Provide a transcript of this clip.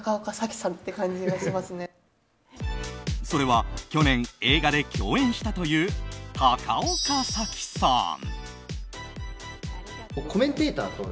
それは去年、映画で共演したという高岡早紀さん。